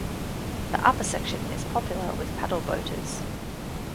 The upper section is popular with paddle boaters.